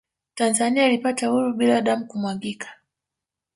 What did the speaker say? Tanzania ilipata uhuru bila damu kumwagika